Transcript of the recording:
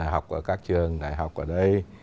học ở các trường đại học ở đây